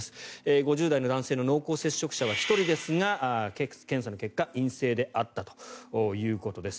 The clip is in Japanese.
５０代男性の濃厚接触者は１人ですが検査の結果は陰性であったということです。